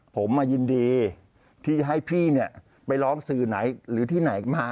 ผมมายินดีที่ให้พี่เนี่ยไปร้องสื่อไหนหรือที่ไหนมา